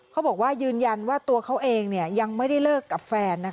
เขาบอกว่ายืนยันว่าตัวเขาเองยังไม่ได้เลิกกับแฟน